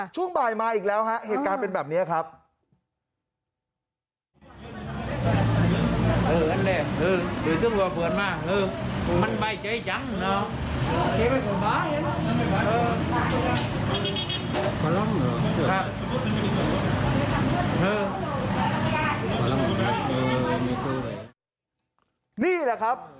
ช่วงบ่ายมาอีกแล้วฮะเหตุการณ์เป็นแบบนี้ครับ